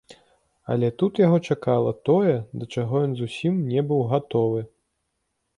Але тут яго чакала тое, да чаго ён зусім не быў гатовы.